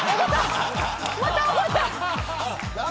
また怒った。